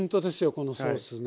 このソースね。